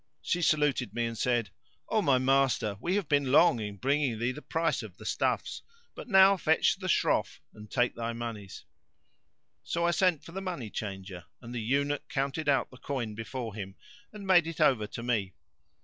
She saluted me and said, "O my master, we have been long in bringing thee the price of the stuffs; but now fetch the Shroff and take thy monies." So I sent for the money changer and the eunuch counted out the coin before him and made it over to me.